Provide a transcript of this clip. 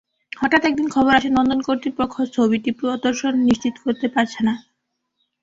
হঠাৎ একদিন খবর আসে নন্দন কর্তৃপক্ষ ছবিটি প্রদর্শন নিশ্চিত করতে পারছে না।